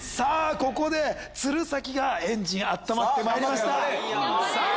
ここで鶴崎がエンジンあったまってまいりましたさあ